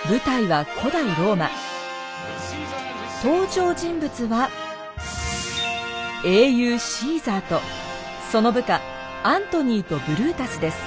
登場人物は英雄シーザーとその部下アントニーとブルータスです。